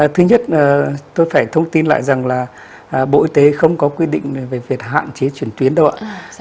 thứ nhất là tôi phải thông tin lại rằng là bộ y tế không có quy định về việc hạn chế chuyển tuyến đâu ạ